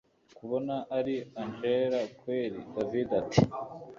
kubona ari angella kweli david ati